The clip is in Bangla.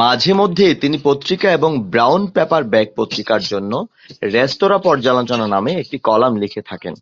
মাঝে মধ্যে তিনি পত্রিকা এবং "ব্রাউন পেপার ব্যাগ" পত্রিকার জন্য রেস্তোঁরা পর্যালোচনা নামে একটি কলাম লিখে থাকেন।